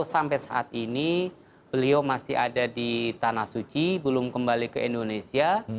sampai saat ini beliau masih ada di tanah suci belum kembali ke indonesia